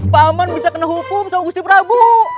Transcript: paman bisa kena hukum sama gusti prabu